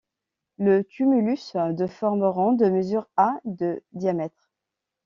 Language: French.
Le tumulus, de forme ronde, mesure à de diamètre.